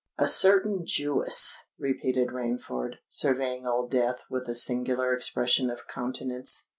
"A certain Jewess!" repeated Rainford, surveying Old Death with a singular expression of countenance.